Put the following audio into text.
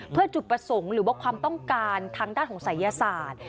เพื่อจุดประสงค์หรือว่าความต้องการทางด้านของศัยศาสตร์